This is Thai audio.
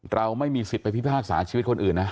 เราไม่มีสิทธิ์ไปพิพากษาชีวิตคนอื่นนะ